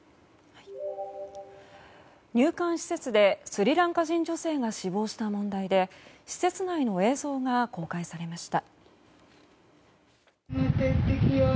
入管施設でスリランカ人女性が死亡した問題で施設内の映像が公開されました。